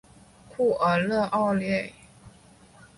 库尔热奥内。